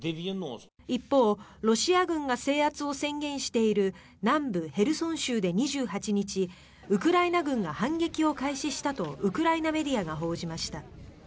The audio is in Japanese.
一方、ロシア軍が制圧を宣言している南部ヘルソン州で２８日ウクライナ軍が反撃を開始したとウクライナメディアが報じました。